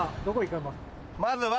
まずは。